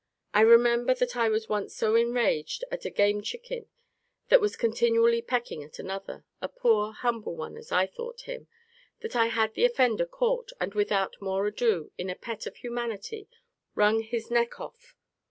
I remember, that I was once so enraged at a game chicken that was continually pecking at another (a poor humble one, as I thought him) that I had the offender caught, and without more ado, in a pet of humanity, wrung his neck off.